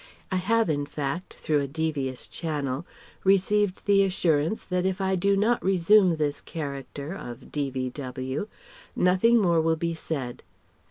I have in fact, through a devious channel, received the assurance that if I do not resume this character (of D.V.W.) nothing more will be said.